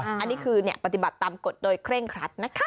อันนี้คือปฏิบัติตามกฎโดยเคร่งครัดนะคะ